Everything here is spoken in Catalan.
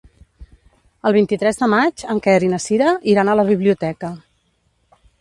El vint-i-tres de maig en Quer i na Cira iran a la biblioteca.